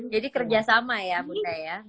jadi kerjasama ya bunda ya